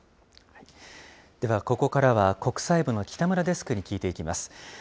ではここからは国際部の北村デスクに聞いていきます。